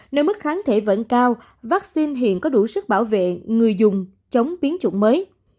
nơi mức kháng thể vẫn cao vaccine hiện có đủ sức bảo vệ người dùng chống biến chủng mới